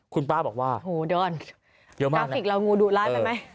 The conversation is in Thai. คุณป้าบอกว่าโอ้โหเดินเยอะมากนาภิกษ์เรางูดูดร้ายไหมเออ